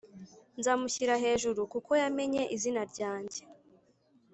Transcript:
Nzamushyira hejuru kuko yamenye izina ryanjye